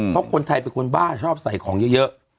เพราะคนไทยเป็นคนบ้าชอบใส่ของเยอะ